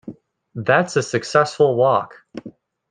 That's a successful walk!